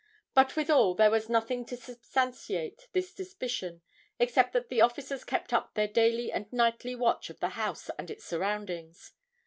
But withal there was nothing to substantiate this suspicion, except that the officers kept up their daily and nightly watch of the house and its surroundings.